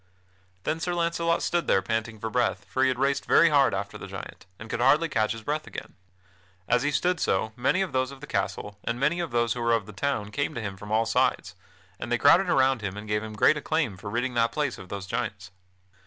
Then Sir Launcelot stood there panting for breath, for he had raced very hard after the giant, and could hardly catch his breath again. As he stood so, many of those of the castle and many of those who were of the town came to him from all sides; and they crowded around him and gave him great acclaim for ridding that place of those giants.